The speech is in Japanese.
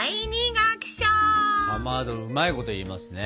かまどうまいこと言いますね。